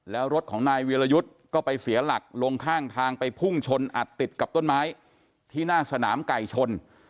แล้วรถของนายวีรยุทธ์ก็ไปเสียหลักลงข้างทางไปพุ่งชนอัดติดกับต้นไม้ที่หน้าสนามไก่ชน